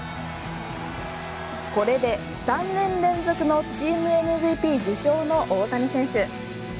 これで３年連続のチームＭＶＰ受賞の大谷選手。